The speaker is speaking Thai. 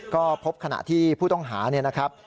ก็พบขณะที่ผู้ต้องหาเนี่ยนะครับ